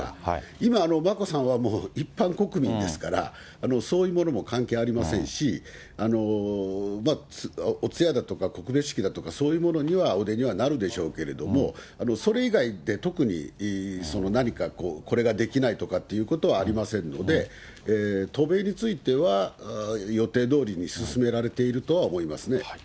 今、眞子さんはもう一般国民ですから、そういうものも関係ありませんし、お通夜だとか告別式だとかそういうものにはお出にはなるでしょうけれども、それ以外で特に何かこれができないとかっていうことはありませんので、渡米については、予定どおりに進められているとは思いますね。